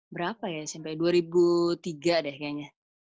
berapa ya sampai dua ribu tiga deh kayaknya